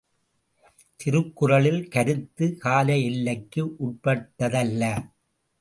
திருக்குறளின் கருத்து காலஎல்லைக்கு உட்பட்டதல்ல.